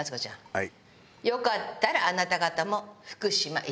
はい。